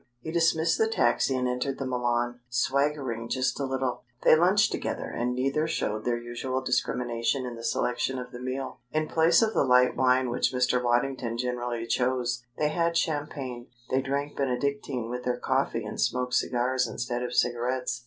He dismissed the taxi and entered the Milan, swaggering just a little. They lunched together and neither showed their usual discrimination in the selection of the meal. In place of the light wine which Mr. Waddington generally chose, they had champagne. They drank Benedictine with their coffee and smoked cigars instead of cigarettes.